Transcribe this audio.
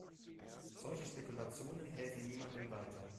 Solche Spekulationen helfen niemandem weiter.